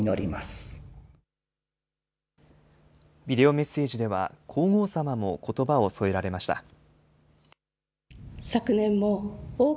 ビデオメッセージでは、皇后さまもことばを添えられました。